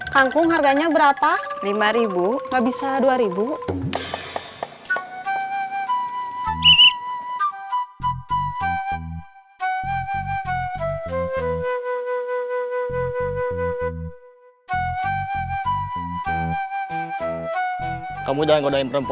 kangkung harganya berapa